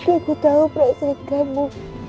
aku tahu perasaan kamu